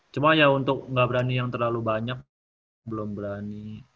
cuma ya untuk nggak berani yang terlalu banyak belum berani